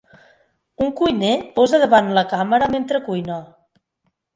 Un cuiner posa davant la càmera mentre cuina.